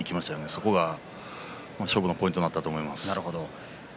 そこが勝負のポイントになったと思います。